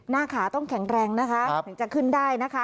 หน้าขาต้องแข็งแรงนะคะถึงจะขึ้นได้นะคะ